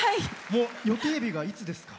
予定日がいつですか？